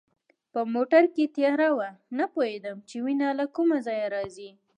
په موټر کې تیاره وه، نه پوهېدم چي وینه له کومه ځایه راځي.